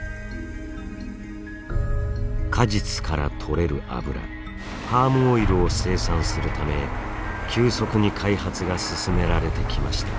果実から取れる油パームオイルを生産するため急速に開発が進められてきました。